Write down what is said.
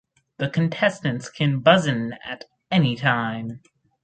The contestants can buzz in at any time.